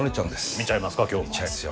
見ちゃいますよ。